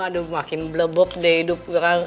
aduh makin blebok deh hidup